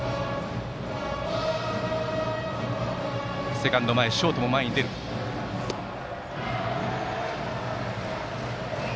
セカンドもショートも前に出ています。